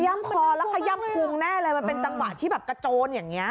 ขยั้มคอและพุงแน่น่ะมันเป็นทางหวะที่แบบกระโจรอย่างเงี้ย